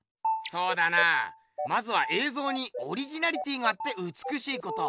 そうだなまずはえいぞうにオリジナリティーがあってうつくしいこと。